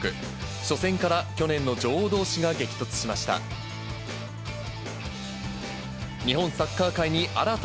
初戦から去年の女王どうしが激突しました。